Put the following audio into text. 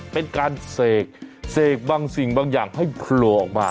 เป็นการเสกเสกบางสิ่งบางอย่างให้โผล่ออกมา